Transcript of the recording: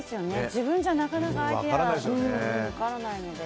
自分じゃ、なかなかアイデアが分からないので。